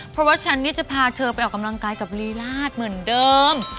เพราะว่าฉันนี่จะพาเธอไปออกกำลังกายกับลีลาดเหมือนเดิม